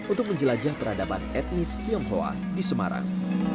untuk menjelajah peradaban etnis tionghoa di semarang